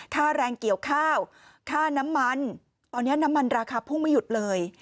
ค่าแรงเกี่ยวข้าวค่าน้ำมันตอนนี้น้ำมันราคาพุ่งไม่หยุดเลย